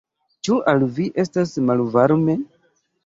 Ĉu al vi estas malvarme?